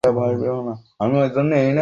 এ কেমন কথা, এর একটাই অর্থ আছে।